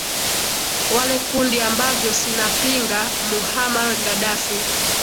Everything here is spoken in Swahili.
wale kundi ambavyo sinapinga muhamar gadaffi